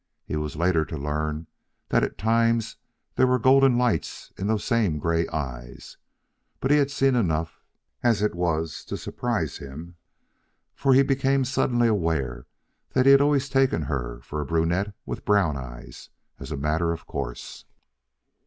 He was later to learn that at times there were golden lights in those same gray eyes; but he had seen enough, as it was, to surprise him, for he became suddenly aware that he had always taken her for a brunette with brown eyes, as a matter of course.